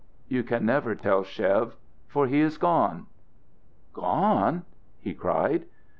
You can never tell Chev, for he is gone." "Gone!" he cried.